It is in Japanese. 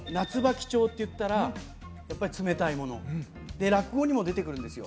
貴重っていったらやっぱり冷たいもので落語にも出てくるんですよ